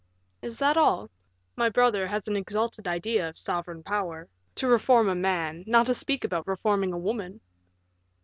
"Is that all? My brother has an exalted idea of sovereign power. To reform a man, not to speak about reforming a woman!"